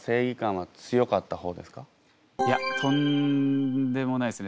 いやとんでもないですね。